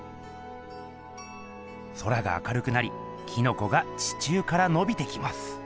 空が明るくなりキノコが地中からのびてきます。